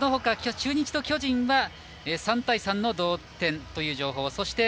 中日と巨人は３対３の同点という情報です。